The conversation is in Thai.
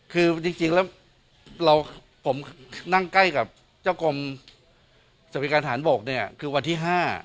คือจริงแล้วผมนั่งใกล้กับเจ้ากรมสวัสดิการฐานบกเนี่ยคือวันที่๕